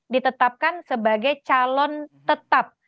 ditetapkan sebagai calon tetap